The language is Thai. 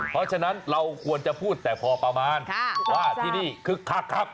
เพราะฉะนั้นเราควรจะพูดแต่พอประมาณว่าที่นี่คึกคักครับ